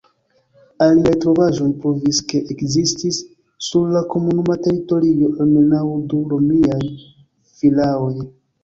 Aliaj trovaĵoj pruvis, ke ekzistis sur la komunuma teritorio almenaŭ du romiaj vilaoj.